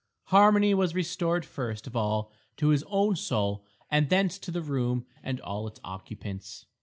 Harmony was restored first of all to his own soul, and thence to the room and all its occupants.